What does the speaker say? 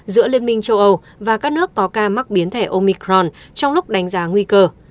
giữa liên minh châu âu và các nước có ca mắc biến thẻ omicron trong lúc đánh giá nguy cơ